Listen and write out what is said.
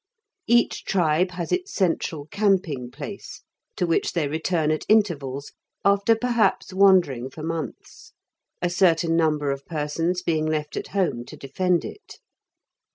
Each tribe has its central camping place, to which they return at intervals after perhaps wandering for months, a certain number of persons being left at home to defend it.